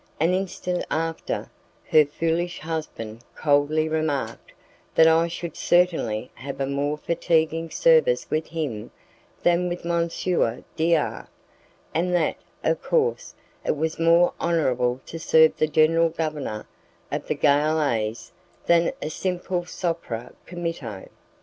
An instant after, her foolish husband coldly remarked that I should certainly have a more fatiguing service with him than with M. D R , and that, of course, it was more honourable to serve the general governor of the galeazze than a simple sopra committo.